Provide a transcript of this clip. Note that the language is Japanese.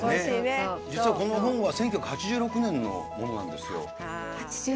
実は、その本は１９８６年のものなんですよ。